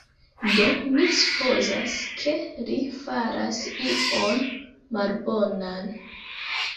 Do, mi supozas, ke li faras ion malbonan